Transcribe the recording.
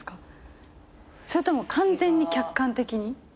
それとも完全に客観的に？